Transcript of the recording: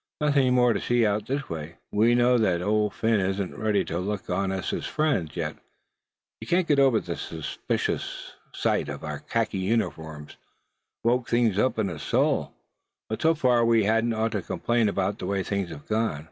"Nothing more to see out this way. We know that Old Phin isn't ready to look on us as friends yet. He can't get over the suspicions the sight of our khaki uniforms woke up in his soul. But so far we hadn't ought to complain with the way things have gone.